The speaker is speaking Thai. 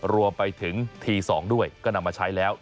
รวมไปถึงที๒ด้วยก็นำมาใช้แล้ว